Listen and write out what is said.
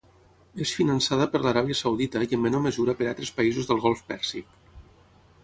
És finançada per l'Aràbia Saudita i en menor mesura per altres països del Golf Pèrsic.